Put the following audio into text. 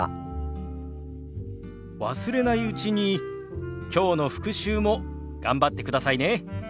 忘れないうちにきょうの復習も頑張ってくださいね。